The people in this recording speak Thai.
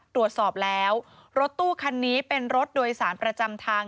ตรวจสอบแล้วรถตู้คันนี้เป็นรถโดยสารประจำทาง